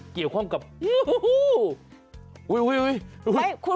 เกี่ยวข้องกับอูฮูฮู